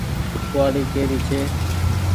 ڪوُوآڙي ڪيري ڇي ۔